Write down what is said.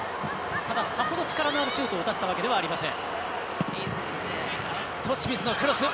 ただ、さほど力のあるシュートを打たせたわけではありません。